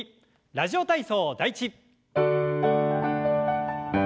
「ラジオ体操第１」。